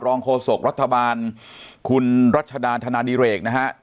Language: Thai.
โฆษกรัฐบาลคุณรัชดาธนาดิเรกนะฮะ